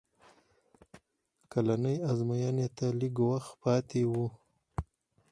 کلنۍ ازموینې ته لږ وخت پاتې و